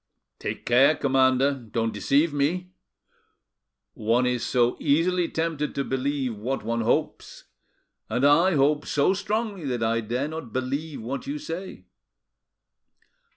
"Take care, commander; don't deceive me. One is so easily tempted to believe what one hopes, and I hope so strongly that I dare not believe what you say.